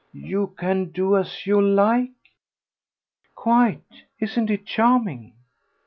"You can do as you like?" "Quite. Isn't it charming?"